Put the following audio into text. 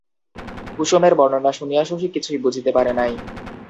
কুসমের বর্ণনা শুনিয়া শশী কিছুই বুঝিতে পারে নাই।